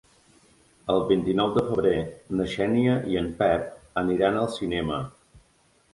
El vint-i-nou de febrer na Xènia i en Pep aniran al cinema.